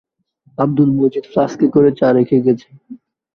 আব্দুল মজিদ ফ্লাস্কে করে চা রেখে গেছে।